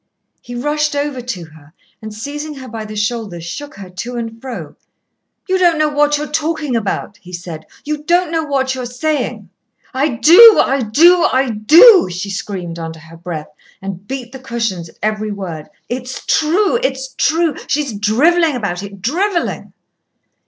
He rushed over to her, and seizing her by the shoulders shook her to and fro. "You don't know what you are talking about," he said; "you don't know what you are saying." "I do! I do! I do!" she screamed under her breath, and beat the cushions at every word. "It's true, it's true. She's drivelling about it, drivelling!"